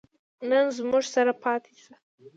نن زموږ سره پاتې شه